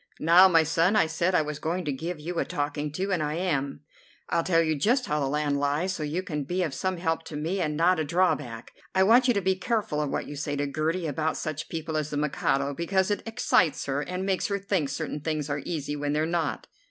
Now, my son, I said I was going to give you a talking to, and I am. I'll tell you just how the land lies, so you can be of some help to me and not a drawback. I want you to be careful of what you say to Gertie about such people as the Mikado, because it excites her and makes her think certain things are easy when they're not."